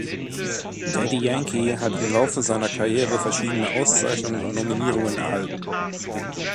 Daddy Yankee hat im Laufe seiner Karriere verschiedene Auszeichnungen und Nominierungen erhalten.